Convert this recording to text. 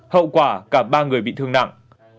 hậu quả cả ba người bị thương nặng